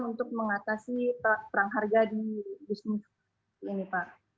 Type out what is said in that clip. untuk mengatasi perang harga di bisnis ini pak